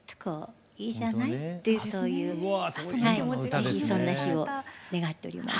是非そんな日を願っております。